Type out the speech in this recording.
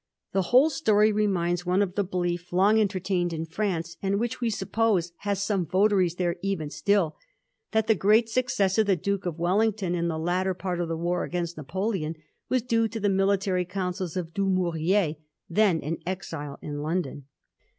The whole story reminds one of the belief long entertamed in France, and which we suppose has some votaries there even stiU^ that the great success of the Duke of Wellington in the latter part of the war against Napoleon was due to the military counsels of Dumouriez, then an exile in London.